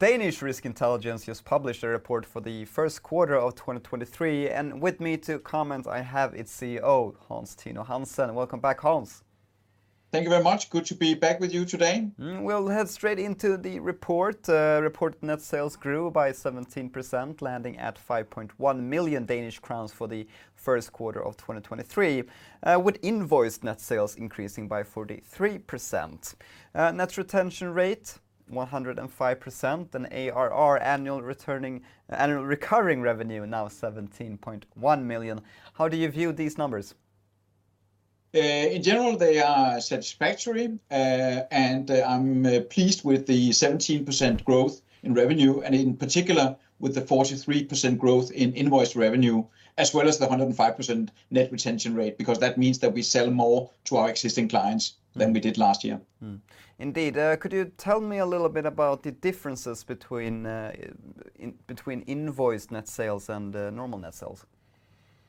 Danish Risk Intelligence just published a report for the first quarter of 2023. With me to comment, I have its CEO, Hans Tino Hansen. Welcome back, Hans. Thank you very much. Good to be back with you today. We'll head straight into the report. Reported net sales grew by 17%, landing at 5.1 million Danish crowns for the first quarter of 2023, with invoiced net sales increasing by 43%. Net retention rate, 105%, and ARR, annual recurring revenue, now 17.1 million. How do you view these numbers? In general, they are satisfactory. I'm pleased with the 17% growth in revenue, and in particular, with the 43% growth in invoiced revenue, as well as the 105% net retention rate because that means that we sell more to our existing clients than we did last year. Indeed. Could you tell me a little bit about the differences between invoiced net sales and normal net sales?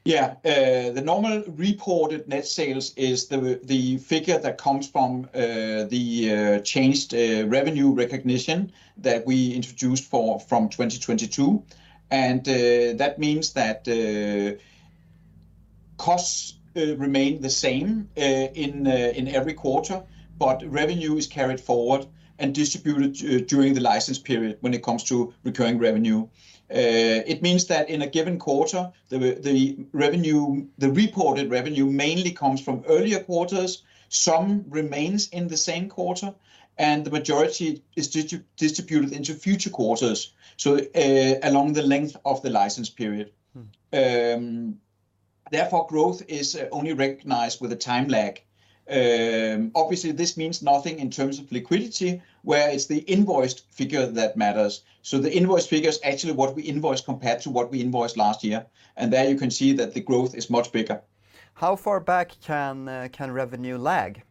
The normal reported net sales is the figure that comes from the changed revenue recognition that we introduced for, from 2022. That means that costs remain the same in every quarter, but revenue is carried forward and distributed during the license period when it comes to recurring revenue. It means that in a given quarter, the revenue, the reported revenue mainly comes from earlier quarters. Some remains in the same quarter, and the majority is distributed into future quarters, so along the length of the license period. Therefore, growth is only recognized with a time lag. Obviously, this means nothing in terms of liquidity, where it's the invoiced figure that matters. The invoice figure's actually what we invoice compared to what we invoiced last year, and there you can see that the growth is much bigger. How far back can revenue lag?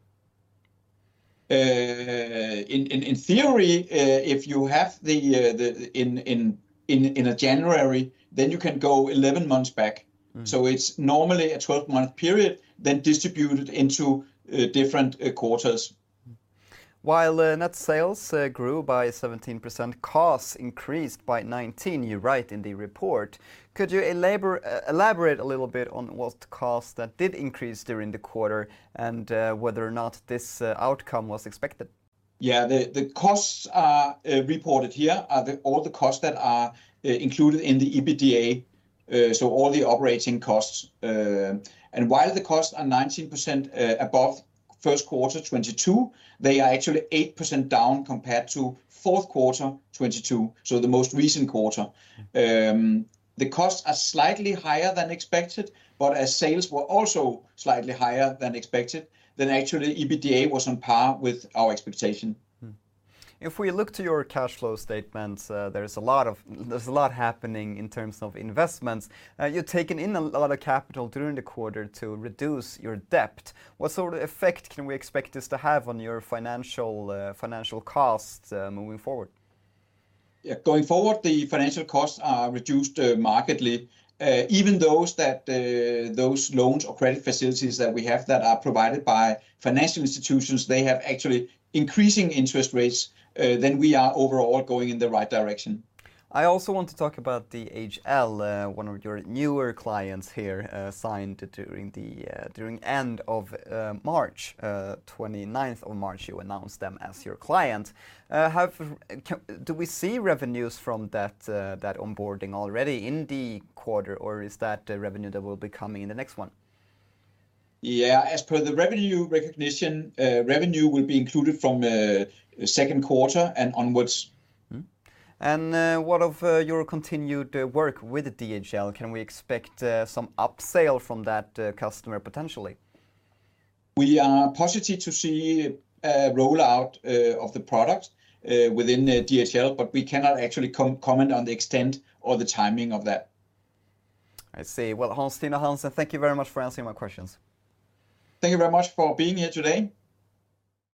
In theory, if you have the, in January, you can go 11 months back. It's normally a 12-month period, then distributed into different quarters. While net sales grew by 17%, costs increased by 19%, you write in the report. Could you elaborate a little bit on what costs that did increase during the quarter and whether or not this outcome was expected? Yeah. The costs reported here are all the costs that are included in the EBITDA, so all the operating costs. While the costs are 19% above first quarter 2022, they are actually 8% down compared to fourth quarter 2022, so the most recent quarter. The costs are slightly higher than expected, as sales were also slightly higher than expected, actually, EBITDA was on par with our expectation. If we look to your cashflow statements, there's a lot of, there's a lot happening in terms of investments. You've taken in a lot of capital during the quarter to reduce your debt. What sort of effect can we expect this to have on your financial costs, moving forward? Yeah. Going forward, the financial costs are reduced, markedly. Even those that, those loans or credit facilities that we have that are provided by financial institutions, they have actually increasing interest rates. We are overall going in the right direction. I also want to talk about DHL, one of your newer clients here, signed during the, during end of March. 29th of March you announced them as your client. Do we see revenues from that onboarding already in the quarter, or is that a revenue that will be coming in the next one? As per the revenue recognition, revenue will be included from second quarter and onwards. What of your continued work with DHL? Can we expect some upsell from that customer potentially? We are positive to see a rollout of the products within DHL, but we cannot actually comment on the extent or the timing of that. I see. Well, Hans Tino Hansen, thank you very much for answering my questions. Thank you very much for being here today.